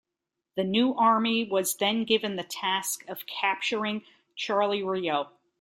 The new army was then given the task of capturing Charleroi.